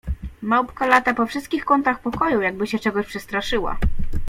— Małpka lata po wszystkich kątach pokoju, jakby się czegoś przestraszyła.